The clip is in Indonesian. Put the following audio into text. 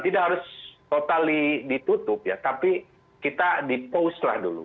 tidak harus totali ditutup ya tapi kita di post lah dulu